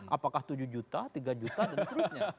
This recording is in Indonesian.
apakah tujuh juta tiga juta dan seterusnya